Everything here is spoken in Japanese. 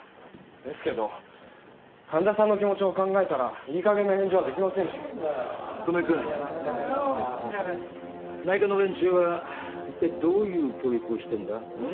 ですけど患者さんの気持ちを考えたらいいかげんな返事はできませんし久米君内科の連中はどういう教育をしてるんだ？